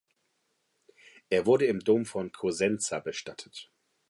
Er wurde im Dom von Cosenza bestattet.